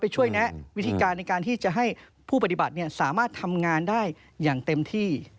ช่วยแนะวิธีการในการที่จะให้ผู้ปฏิบัติสามารถทำงานได้อย่างเต็มที่